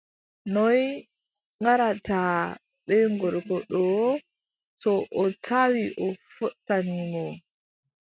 Noy ngaɗataa bee gorko ɗoo, to o tawi a fottani mo ?